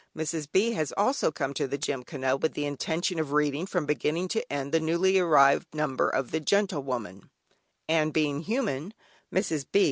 Mrs. B. has also come to the Gymkhana with the intention of reading from beginning to end the newly arrived number of the "Gentlewoman"; and, being human, Mrs. B.